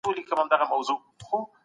ډیپلوماسي د هېواد د عزت استازې وي.